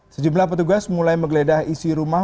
sejumlah petugas mulai menggeledah isi rumah